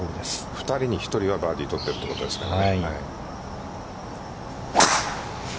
２人に１人はバーディーを取っているということですからね。